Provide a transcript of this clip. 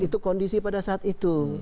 itu kondisi pada saat itu